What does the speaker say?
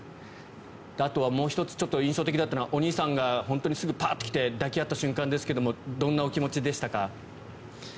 あとはもう１つ印象的だったのが、お兄さんが本当にすぐにパッと来て抱き合った瞬間でしたけどどんなお気持ちでしたか？